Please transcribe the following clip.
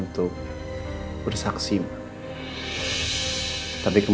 itu masuk sama orang awam